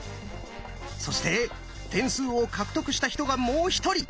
そして点数を獲得した人がもう一人。